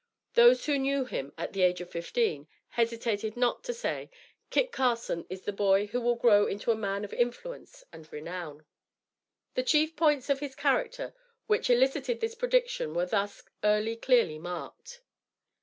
Those who knew him at the age of fifteen, hesitated not to say, "Kit Carson is the boy who will grow into a man of influence and renown." The chief points of his character which elicited this prediction were thus early clearly marked.